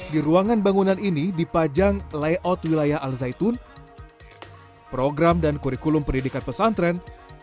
di ruangan bangunan ini dipajang layout wilayah al zaitun program dan kurikulum pendidikan pesantren